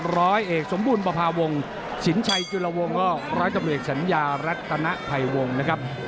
ร้อยเอกสมบูรณ์ปภาวงศ์สินชัยจุลวงศ์ก็ร้อยต้องเปลี่ยนสัญญารัฐนาภัยวงศ์นะครับ